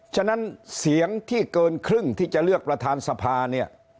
ฉะนั้นเสียงที่เกินครึ่งที่จะเลือกประธานสภาเนี่ย